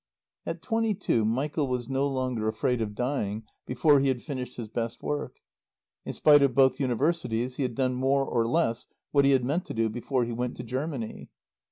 At twenty two Michael was no longer afraid of dying before he had finished his best work. In spite of both Universities he had done more or less what he had meant to do before he went to Germany.